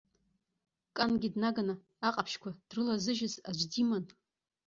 Кангьы днаганы аҟаԥшьқәа дрылазыжьыз аӡә диман.